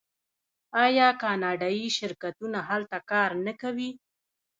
آیا کاناډایی شرکتونه هلته کار نه کوي؟